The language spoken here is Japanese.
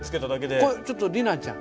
これちょっと里奈ちゃん。